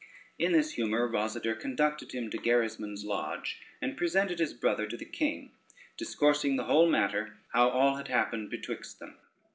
In this humor Rosader conducted him to Gerismond's lodge, and presented his brother to the king, discoursing the whole matter how all had happened betwixt them.